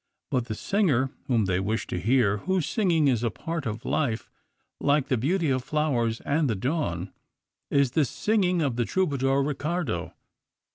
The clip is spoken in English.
But the singer whom they wish to hear, whose singing is a part of life, like the beauty of flowers and the dawn, is the singing of the troubadour Riccardo.